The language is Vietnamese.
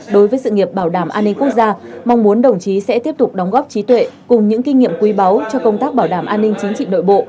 đối với sự nghiệp bảo đảm an ninh quốc gia mong muốn đồng chí sẽ tiếp tục đóng góp trí tuệ cùng những kinh nghiệm quý báu cho công tác bảo đảm an ninh chính trị nội bộ